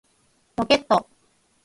ロケット